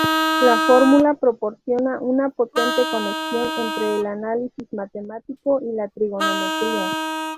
La fórmula proporciona una potente conexión entre el análisis matemático y la trigonometría.